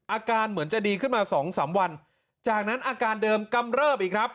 อาการเหมือนจะดีขึ้นมาสองสามวันจากนั้นอาการเดิมกำเริบอีกครับ